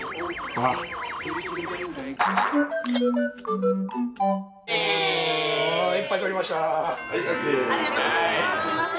ありがとうございます。